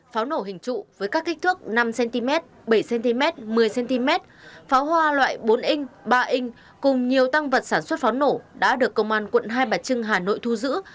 pháo nổ hình trụ với các kích thước năm cm bảy cm một mươi cm pháo hoa loại bốn inh ba inh cùng nhiều tăng vật sản xuất pháo nổ đã được công an quận hai bà trưng hà nội thu giữ